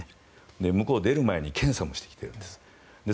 向こうを出る前に検査もしてきているんです。